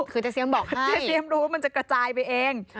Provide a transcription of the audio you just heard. คือเจ๊เซียมบอกเจ๊เซียมรู้มันจะกระจายไปเอง